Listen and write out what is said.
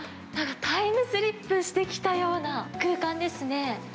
タイムスリップしてきたような空間ですね。